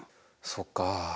そっかあ。